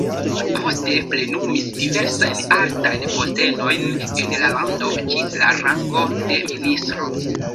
Poste plenumis diversajn altajn postenojn en la lando ĝis la rango de ministro.